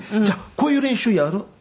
じゃあこういう練習やる。